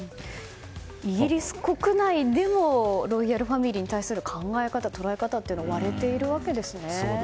イギリス国内でもロイヤルファミリーに対する考え方、捉え方は割れているわけですね。